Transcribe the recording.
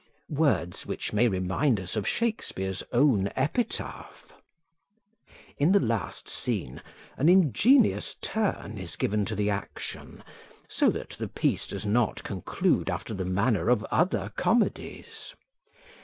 words which may remind us of Shakespeare's own epitaph. In the last scene, an ingenious turn is given to the action, so that the piece does not conclude after the manner of other comedies.